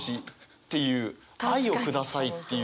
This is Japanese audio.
「愛をください」っていう。